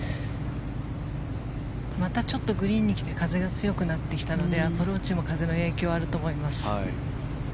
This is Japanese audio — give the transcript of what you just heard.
またちょっとグリーンに来て風が強くなってきたのでアプローチも風の影響あると思います。